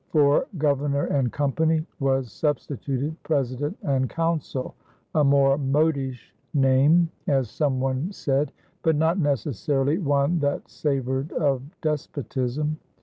For "Governor and Company" was substituted "President and Council," a more modish name, as some one said, but not necessarily one that savored of despotism.